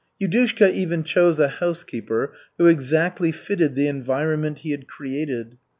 Yudushka even chose a housekeeper who exactly fitted the environment he had created.